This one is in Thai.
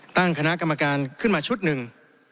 ตั้งคณะกรรมการขึ้นมาชุดหนึ่ง